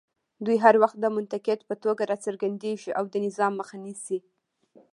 دوی هر وخت د منتقد په توګه راڅرګندېږي او د نظام مخه نیسي